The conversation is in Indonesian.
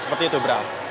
seperti itu bram